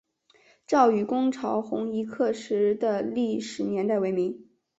赵纾攻剿红夷刻石的历史年代为明。